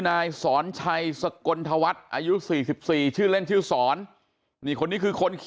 นายสอนชัยสกลธวัฒน์อายุ๔๔ชื่อเล่นชื่อสอนนี่คนนี้คือคนขี่